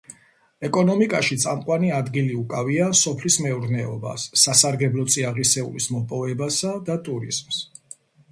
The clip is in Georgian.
ეკონომიკაში წამყვანი ადგილი უკავია სოფლის მეურნეობას, სასარგებლო წიაღისეულის მოპოვებასა და ტურიზმს.